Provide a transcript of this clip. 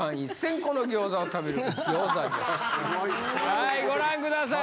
はいご覧ください